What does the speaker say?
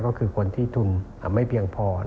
ก็คือคนที่ทุนไม่เพียงพอ